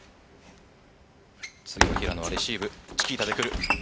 平野はレシーブチキータでくる。